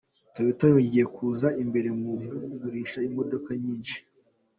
Toyota yongeye kuza imbere mu kugurisha imodoka nyinshi